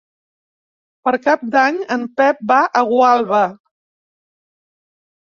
Per Cap d'Any en Pep va a Gualba.